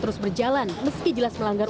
terus berjalan meski jelas melanggar